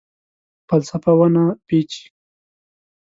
فلسفه ونه پیچي